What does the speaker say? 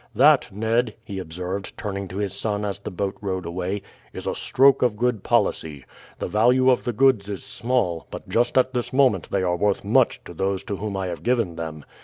That, Ned," he observed, turning to his son as the boat rowed away, "is a stroke of good policy. The value of the goods is small, but just at this moment they are worth much to those to whom I have given them.